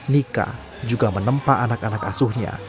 nika juga menempa anak anak asuhnya